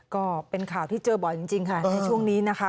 ก็เป็นข่าวที่เจอบ่อยจริงค่ะในช่วงนี้นะคะ